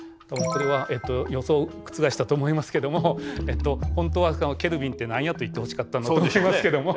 これは予想を覆したと思いますけども本当はケルビンって何やと言ってほしかったんだと思いますけども。